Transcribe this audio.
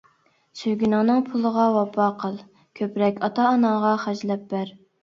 سۆيگىنىڭنىڭ پۇلىغا ۋاپا قىل، كۆپرەك ئاتا-ئاناڭغا خەجلەپ بەر.